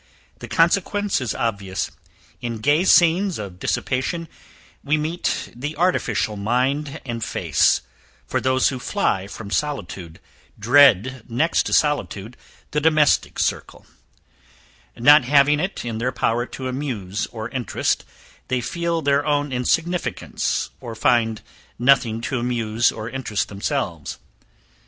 The consequence is obvious; in gay scenes of dissipation we meet the artificial mind and face, for those who fly from solitude dread next to solitude, the domestic circle; not having it in their power to amuse or interest, they feel their own insignificance, or find nothing to amuse or interest themselves.